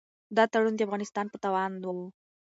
دا تړون د افغانستان په تاوان و.